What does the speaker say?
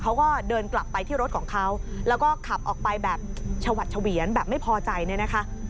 เขาก็เดินกลับไปที่รถของเขาแล้วก็ขับออกไปแบบชวัดเฉวียนแบบไม่พอใจเนี่ยนะคะ